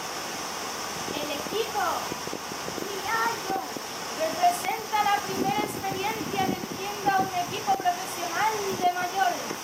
El equipo 'criollo' representa la primera experiencia dirigiendo a un equipo profesional de mayores.